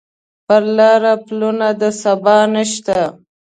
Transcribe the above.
پر لاره پلونه د سبا نشته